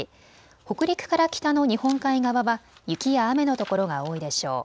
北陸から北の日本海側は雪や雨の所が多いでしょう。